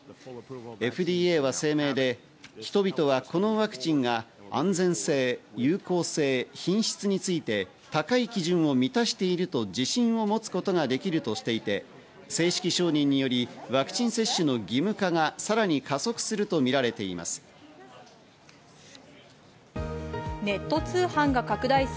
ＦＤＡは声明で、人々はこのワクチンが安全性、有効性、品質について高い基準を満たしていると自信を持つことができるとしていて、正式承認によりワクチン接種の義務化がさらに加速するとみられています。